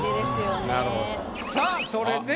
さぁそれでは。